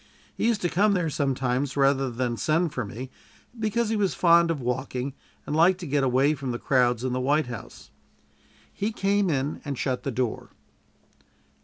He used to come there sometimes rather than send for me, because he was fond of walking and liked to get away from the crowds in the White House. He came in and shut the door.